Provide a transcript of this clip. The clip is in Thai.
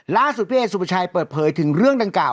ล่าสุดพี่เอสุภาชัยเปิดเผยถึงเรื่องดังกล่าว